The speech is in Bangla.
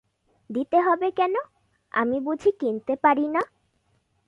দিতে হবে কেন, আমি বুঝি কিনতে পারি না?